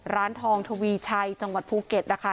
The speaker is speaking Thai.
ร้านทองทวีชัยจังหวัดภูเก็ตนะคะ